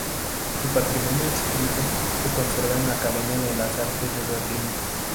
Su patrimonio escrito se conserva en la Academia de las Artes de Berlín.